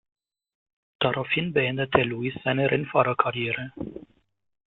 Daraufhin beendete Louis seine Rennfahrerkarriere.